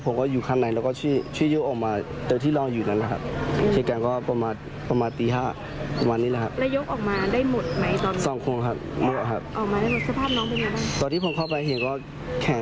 เพราะว่าหน้าต่างเปิดได้แล้วกระจกแตะหมดแล้วเพราะว่าจะแดนด่างข้างหลัง